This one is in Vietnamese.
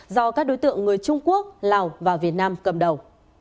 do các đối tượng người trung quốc lào và việt nam cầm đầu